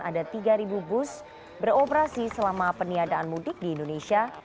ada tiga bus beroperasi selama peniadaan mudik di indonesia